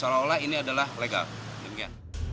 kepala kepala pertama